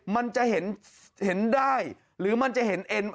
มันจะเห็นได้หรือมันจะเห็นเอ็น